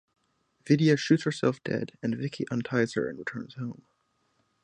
Vidya shoots herself dead and Vicky unties her and returns home.